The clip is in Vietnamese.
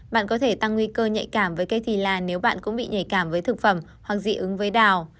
bạn có thể tăng nguy cơ nhạy cảm với cây thì là nếu bạn cũng bị nhạy cảm với thực phẩm hoặc dị ứng với đào